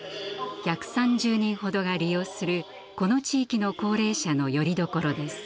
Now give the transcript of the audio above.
１３０人ほどが利用するこの地域の高齢者のよりどころです。